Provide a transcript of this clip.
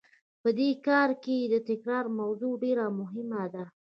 په دې کار کې د تکرار موضوع ډېره مهمه ده.